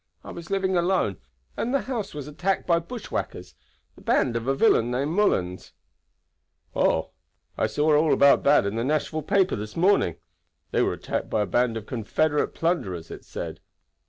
I was living alone, and the house was attacked by bushwhackers, the band of a villain named Mullens." "Oh! I saw all about that in the Nashville paper this morning. They were attacked by a band of Confederate plunderers, it said."